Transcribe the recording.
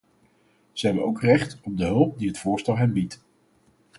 Zij hebben ook recht op de hulp die het voorstel hen biedt.